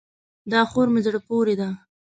دا خور مې زړه پورې ده.